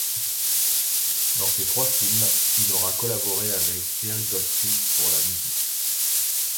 Dans ces trois films il aura collaboré avec Jerry Goldsmith pour la musique.